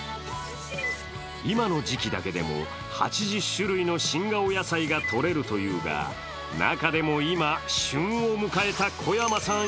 今の時季だけでも８０種類の新顔野菜がとれるというが中でも今、旬を迎えた小山さん